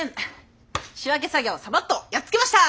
仕分け作業サバっとやっつけました！